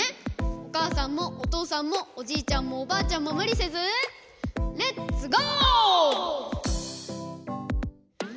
おかあさんもおとうさんもおじいちゃんもおばあちゃんもむりせずレッツゴー！